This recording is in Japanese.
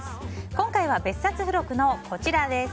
今回は別冊付録のこちらです。